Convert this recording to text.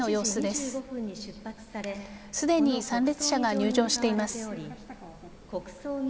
すでに参列者が入場しています。